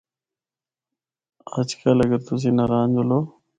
اجّ کل اگر تُسیں ناران جُلّو۔